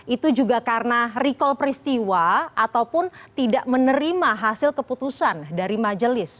itu juga karena recall peristiwa ataupun tidak menerima hasil keputusan dari majelis